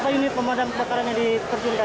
berapa unit pemadam kebakarannya dipercinkan